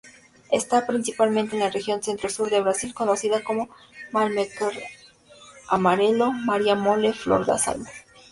Está principalmente en la región centro-sur de Brasil, conocida como: malmequer-amarelo, Maria-mole, flor-das-almas.